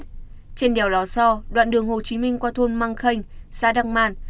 trên đèo lò so đoạn đường hồ chí minh qua thôn măng khanh xã đắc man